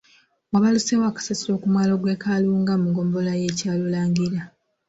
Wabaluseewo akasattiro ku mwalo gw’e Kalunga mu ggombolola y’e Kyalulangira.